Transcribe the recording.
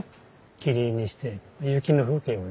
切り絵にして雪の風景をね。